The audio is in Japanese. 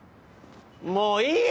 もういいよ！